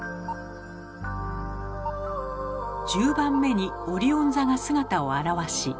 １０番目にオリオン座が姿を現し。